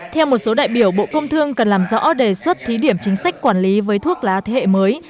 theo một số đại biểu bộ công thương cần làm rõ đề xuất thí điểm chính sách quản lý với thuốc lá thế hệ mới